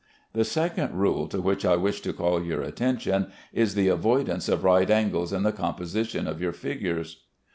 The second rule to which I wish to call your attention is the avoidance of right angles in the composition of your figures.